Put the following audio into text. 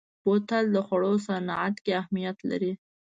بوتل د خوړو صنعت کې اهمیت لري.